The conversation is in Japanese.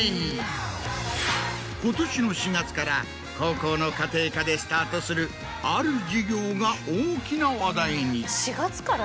今年の４月から高校の家庭科でスタートするある授業が大きな話題に。